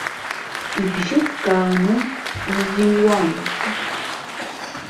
Ибжьы ҭкааны изиҩуамызт.